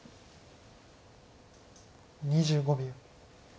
２５秒。